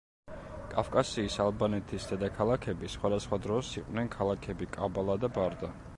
კავკასიის ალბანეთის დედაქალაქები სხვადასხვა დროს იყვნენ ქალაქები კაბალა და ბარდა.